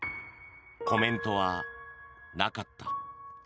コメントはなかった。